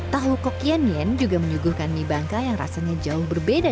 tahu kokian yen juga menyuguhkan mie bangka yang rasanya jauh berbeda